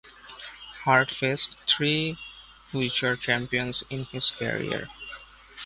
Hart faced three future champions in his career.